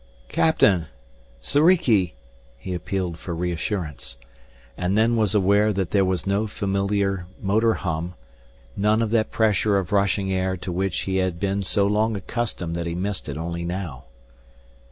"Captain! Soriki!" he appealed for reassurance. And then was aware that there was no familiar motor hum, none of that pressure of rushing air to which he had been so long accustomed that he missed it only now.